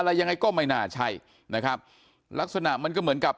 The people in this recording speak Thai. อะไรยังไงก็ไม่น่าใช่นะครับลักษณะมันก็เหมือนกับ